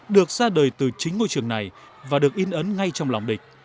được ra đời từ chính ngôi trường này và được in ấn ngay trong lòng địch